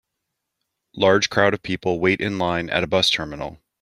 Large crowd of people wait in line at a bus terminal.